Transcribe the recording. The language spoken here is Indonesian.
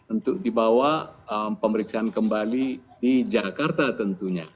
untuk dibawa pemeriksaan kembali di jakarta tentunya